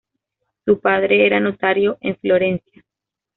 Su padre era notario en Florencia.